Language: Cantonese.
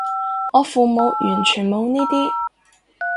我父母完全冇呢啲